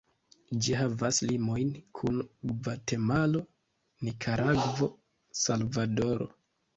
Ĝi havas limojn kun Gvatemalo, Nikaragvo, Salvadoro.